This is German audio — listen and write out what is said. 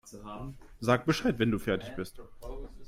Sag Bescheid, wenn du fertig bist.